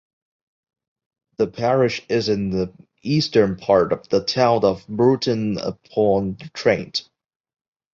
The parish is in the eastern part of the town of Burton upon Trent.